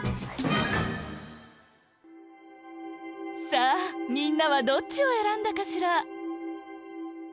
さあみんなはどっちを選んだかしら？